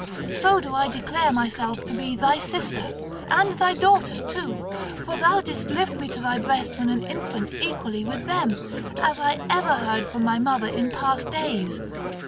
So do I declare myself to be thy sister, and thy daughter too, for thou didst lift me to thy breast when an infant equally with them, as I ever heard from my mother in past days.